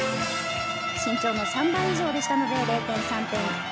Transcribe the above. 身長の３倍以上でしたので０．３点。